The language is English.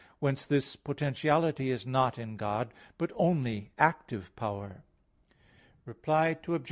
Whence this potentiality is not in God, but only active power. Reply Obj.